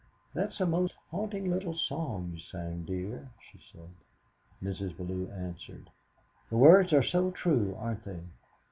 "That's a most haunting little song you sang, dear," she said. Mrs. Bellew answered: "The words are so true, aren't they?"